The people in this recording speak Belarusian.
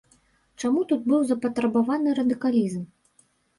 Чаму тут быў запатрабаваны радыкалізм?